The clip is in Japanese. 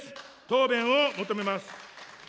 答弁を求めます。